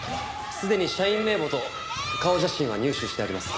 すでに社員名簿と顔写真は入手してあります。